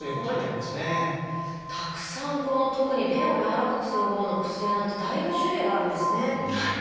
たくさんこの特に便をやわらかくするほうの薬なんてだいぶ種類があるんですね。